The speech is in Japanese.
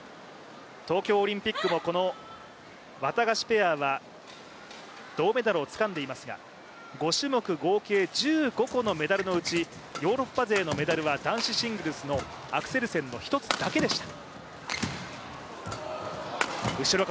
東京オリンピックもこのワタガシペアは銅メダルをつかんでいますが５種目合計１５個のメダルのうちヨーロッパ勢のメダルは男子シングルスのアクセルセンの１つだけでした。